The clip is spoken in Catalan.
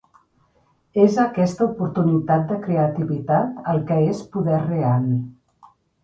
És aquesta oportunitat de creativitat el que és poder real.